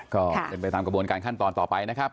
ก็เป็นไปตามกระบวนการขั้นตอนต่อไปนะครับ